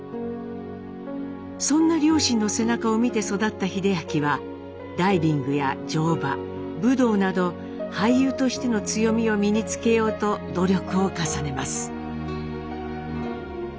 そんな両親の背中を見て育った英明はダイビングや乗馬武道など俳優としての強みを身につけようと努力を重ねます。